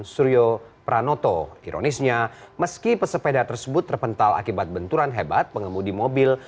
suryo pranoto ironisnya meski pesepeda tersebut terpental akibat benturan hebat pengemudi mobil